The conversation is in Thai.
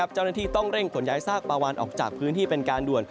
เจ้าหน้าที่ต้องเร่งขนย้ายซากปลาวานออกจากพื้นที่เป็นการด่วน